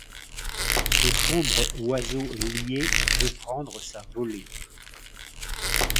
Ce sombre oiseau lié veut prendre sa volée